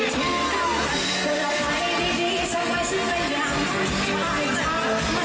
สวัสดีครับ